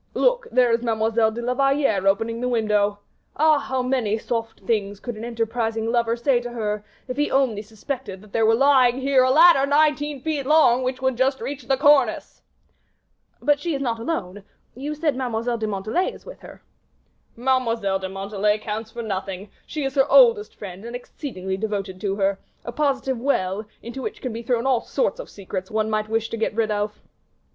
Look, there is Mademoiselle de la Valliere opening the window. Ah! how many soft things could an enterprising lover say to her, if he only suspected that there was lying here a ladder nineteen feet long, which would just reach the cornice." "But she is not alone; you said Mademoiselle de Montalais is with her." "Mademoiselle de Montalais counts for nothing; she is her oldest friend, and exceedingly devoted to her a positive well, into which can be thrown all sorts of secrets one might wish to get rid of."